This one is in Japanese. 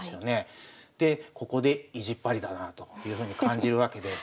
ここで意地っ張りだなあというふうに感じるわけです。